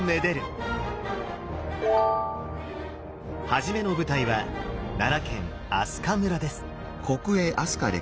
始めの舞台は奈良県明日香村です。